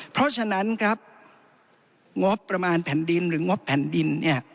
เพราะฉะนั้นครับงบประมาณแผ่นดินหรืองบแผ่นดินเนี่ย